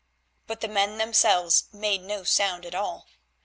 But the men themselves made no sound at all.